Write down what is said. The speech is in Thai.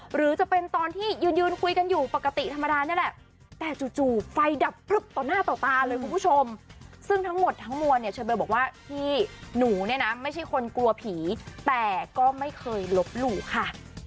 หรือจะเป็นตอนที่ยืนยืนคุยกันอยู่ปกติธรรมดานี่แหละแต่จู่ไฟดับพลึบต่อหน้าต่อตาเลยคุณผู้ชมซึ่งทั้งหมดทั้งมวลเนี่ยเชอเบลบอกว่าพี่หนูเนี่ยนะไม่ใช่คนกลัวผีแต่ก็ไม่เคยลบหลู่ค่ะ